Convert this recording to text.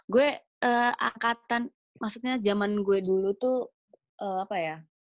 gue angkatan maksudnya zaman gue dulu tuh apa ya